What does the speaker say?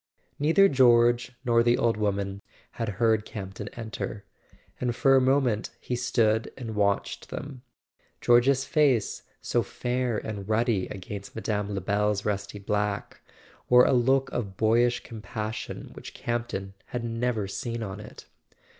Neither George nor the old woman had heard Camp ton enter; and for a moment he stood and watched them. George's face, so fair and ruddy against Mme. Lebel's rusty black, wore a look of boyish compassion which Campton had never seen on it.